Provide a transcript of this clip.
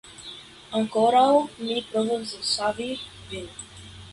Ankoraŭ mi povas savi vin.